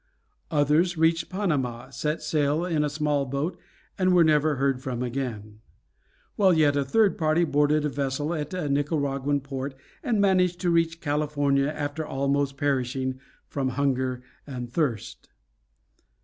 Others reached Panama, set sail in a small boat, and were never heard from again; while yet a third party boarded a vessel at a Nicaraguan port, and managed to reach California after almost perishing from hunger and thirst.